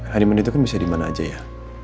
hari menit itu kan bisa dimana aja ya